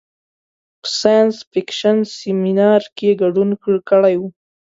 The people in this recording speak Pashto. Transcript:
په ساینس فکشن سیمنار کې ګډون کړی و.